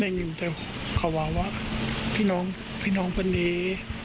แต่งิมแต่เขาหวังว่าพี่น้องพี่น้องคนนี้